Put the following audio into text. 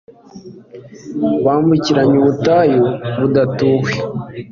bambukiranya ubutayu budatuwe